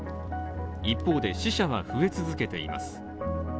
一方で、死者は増え続けています。